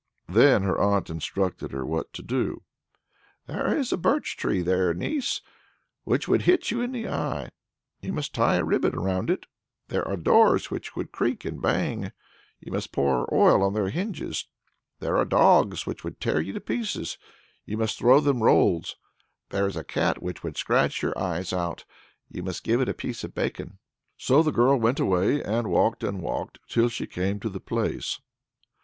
Then her aunt instructed her what to do. "There is a birch tree there, niece, which would hit you in the eye you must tie a ribbon round it; there are doors which would creak and bang you must pour oil on their hinges; there are dogs which would tear you in pieces you must throw them these rolls; there is a cat which would scratch your eyes out you must give it a piece of bacon." So the girl went away, and walked and walked, till she came to the place.